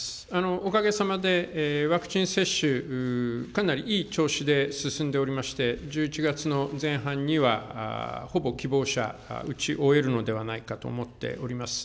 おかげさまで、ワクチン接種、かなりいい調子で進んでおりまして、１１月の前半には、ほぼ希望者、打ち終えるのではないかと思っております。